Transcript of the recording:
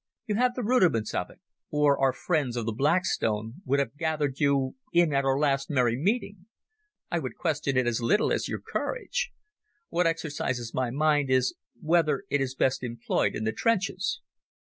You have the rudiments of it, or our friends of the Black Stone would have gathered you in at our last merry meeting. I would question it as little as your courage. What exercises my mind is whether it is best employed in the trenches."